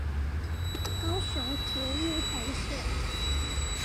高雄捷運紅線